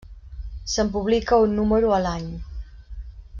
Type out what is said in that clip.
Se’n publica un número a l’any.